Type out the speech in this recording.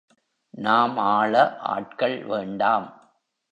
நாம் ஆள ஆட்கள் வேண்டாம்!